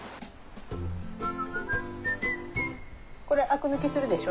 これアク抜きするでしょ？